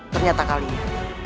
ternyata kali ini